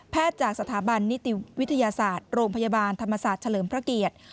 จากสถาบันนิติวิทยาศาสตร์โรงพยาบาลธรรมศาสตร์เฉลิมพระเกียรติ